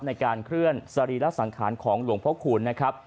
ในการเคลื่อนสรีระสังขารของหลวงพ่อคูณนะครับ